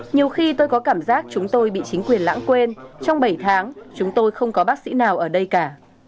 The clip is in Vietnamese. nhiều khi tôi có cảm giác chúng tôi bị chính quyền lãng quên trong bảy tháng chúng tôi không có bác sĩ nào ở đây cả